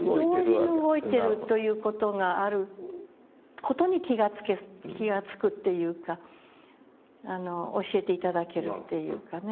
同時に動いてるという事がある事に気がつくというか教えて頂けるっていうかね。